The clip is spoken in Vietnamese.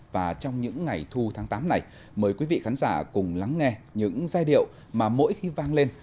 và trong những ngày thu tháng tám này mời quý vị khán giả cùng lắng nghe những giai điệu mà mỗi khi vang lên